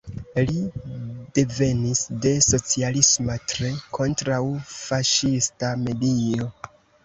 Li devenis de socialisma, tre kontraŭ-faŝista medio.